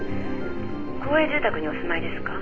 公営住宅にお住まいですか？